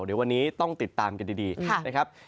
เดี๋ยววันนี้ต้องติดตามกันดีนะครับ